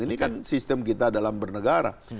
ini kan sistem kita dalam bernegara